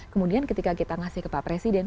kemudian ketika kita ngasih ke pak presiden